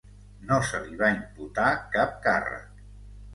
No se li va imputar cap càrrec.